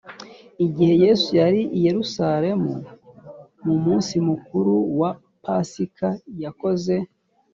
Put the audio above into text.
igihe yesu yari i yerusalemu mu munsi mukuru wa pasika yakoze